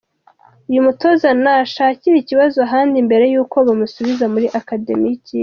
Uyu mutoza nashakire ikibazo ahandi mbere y'uko bamusubiza muri Academy y'ikipe!!!.